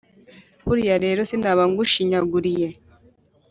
Buriya rero sinaba ngushinyaguriye